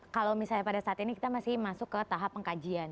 kalau misalnya pada saat ini kita masih masuk ke tahap pengkajian